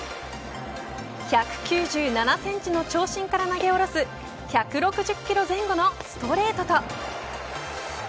１９７センチの長身から投げ下ろす１６０キロ前後のストレートと。